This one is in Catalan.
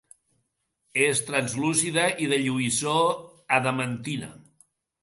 És translúcida i de lluïssor adamantina.